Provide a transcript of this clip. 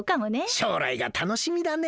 しょうらいがたのしみだね。